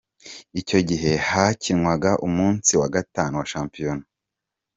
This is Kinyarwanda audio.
Icyo gihe hakinwaga umunsi wa gatanu wa shampiyona.